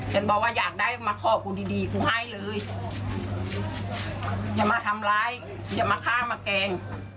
ฉันบอกว่าอยากได้มาขอกูดีดีกูให้เลยอย่ามาทำร้ายอย่ามาฆ่ามาแกล้ง